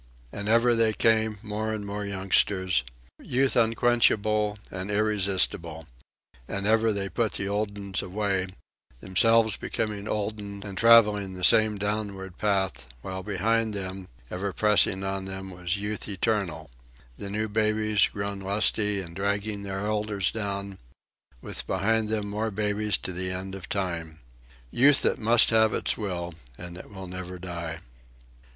And ever they came, more and more youngsters Youth unquenchable and irresistible and ever they put the old uns away, themselves becoming old uns and travelling the same downward path, while behind them, ever pressing on them, was Youth eternal the new babies, grown lusty and dragging their elders down, with behind them more babies to the end of time Youth that must have its will and that will never die.